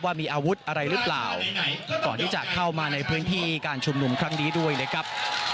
ว่ามีอาวุธอะไรหรือเปล่าก่อนที่จะเข้ามาในพื้นที่การชุมนุมครั้งนี้ด้วยนะครับ